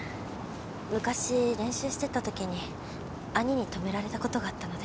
昔練習してた時に兄に止められた事があったので。